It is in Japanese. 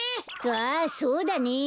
ああそうだね。